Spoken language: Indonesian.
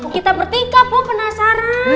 kita bertiga bu penasaran